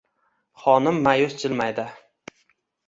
Xonim ma’yus jilmaydi.